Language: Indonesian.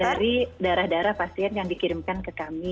dari darah darah pasien yang dikirimkan ke kami